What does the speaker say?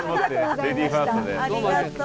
ありがとう。